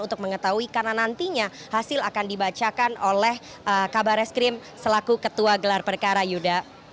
untuk mengetahui karena nantinya hasil akan dibacakan oleh kabar eskrim selaku ketua gelar perkara yuda